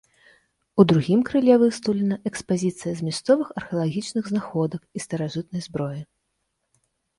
У другім крыле выстаўлена экспазіцыя з мясцовых археалагічных знаходак і старажытнай зброі.